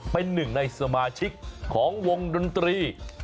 เป็นหนึ่งในสมาชิกของวงดนตรี